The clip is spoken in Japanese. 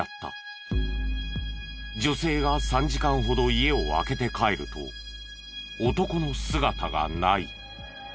女性が３時間ほど家を空けて帰ると男の姿がない。